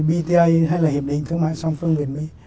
bta hay là hiệp định thương mại song phương việt mỹ